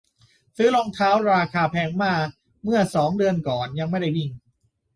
ซื้อรองเท้าราคาแพงมาเมื่อสองเดือนก่อน ยังไม่ได้วิ่ง